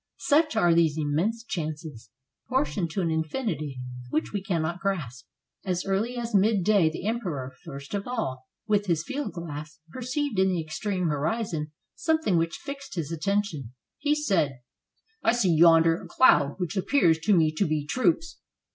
Such are these immense chances, proportioned to an infinity, which we cannot grasp. As early as midday the Emperor, first of all, with his field glass, perceived in the extreme horizon something which fixed his attention. He said: ''I see yonder a cloud which appears to me to be troops."